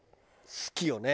好きよね。